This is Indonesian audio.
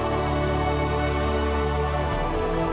kamu takut kehilangan suara kamu